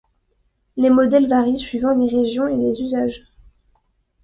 Les modèles varient suivant les régions et les usages.